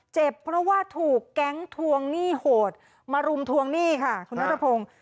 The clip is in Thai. เจ็บเพราะว่าถูกแก๊งทวงหนี้โหดมารุมทวงหนี้ค่ะคุณนัทพงศ์